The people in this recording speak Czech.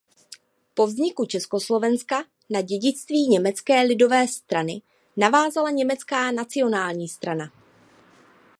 Po vzniku Československa na dědictví Německé lidové strany navázala Německá nacionální strana.